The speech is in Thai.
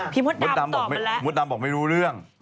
พี่มดดำตอบมาแล้วพี่มดดำบอกไม่รู้เรื่อง